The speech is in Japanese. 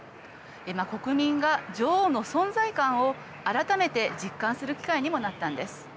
国民が女王の存在感を改めて実感する機会にもなったんです。